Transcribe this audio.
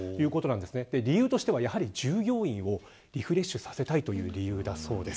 理由としては、従業員をリフレッシュさせたいという理由だそうです。